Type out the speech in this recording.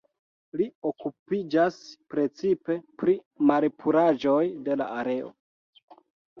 Li okupiĝas precipe pri malpuraĵoj de la aero.